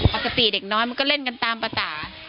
ปกติเด็กน้อยมันก็เล่นกันตามภาษา